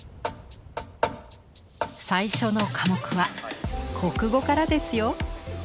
最初の科目は国語からですよ。